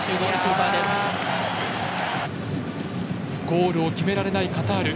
ゴールを決められないカタール。